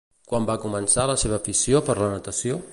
Quan va començar la seva afició per la natació?